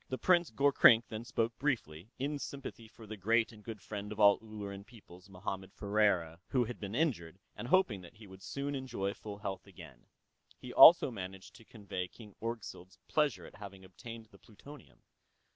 The Prince Gorkrink then spoke briefly, in sympathy for the great and good friend of all Ulleran peoples, Mohammed Ferriera, who had been injured, and hoping that he would soon enjoy full health again. He also managed to convey King Orgzild's pleasure at having obtained the plutonium.